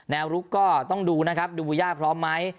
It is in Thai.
ลุกก็ต้องดูนะครับดูบูย่าพร้อมไหม